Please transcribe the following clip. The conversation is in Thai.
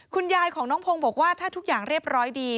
คุณยายของน้องพงศ์บอกว่าถ้าทุกอย่างเรียบร้อยดี